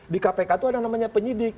di kpk itu ada namanya penyidik